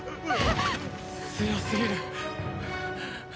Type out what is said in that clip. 強すぎる！